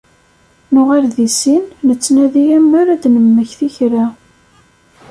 Nuɣal deg sin nettnadi amer ad d-nemmekti kra.